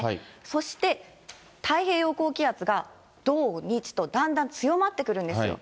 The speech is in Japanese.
そして、太平洋高気圧が土、日と、だんだん強まってくるんですよ。